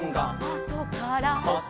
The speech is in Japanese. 「あとから」